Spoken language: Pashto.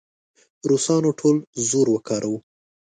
روسانو ټول زور وکاراوه.